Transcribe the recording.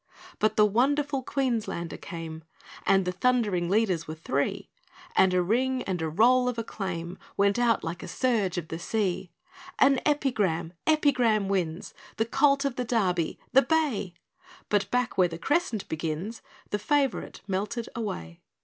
But the wonderful Queenslander came, And the thundering leaders were three; And a ring, and a roll of acclaim, Went out, like a surge of the sea: "An Epigram! Epigram wins!" "The Colt of the Derby" "The bay!" But back where the crescent begins The favourite melted away.